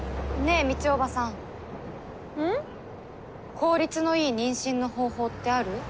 効率のいい妊娠の方法ってある？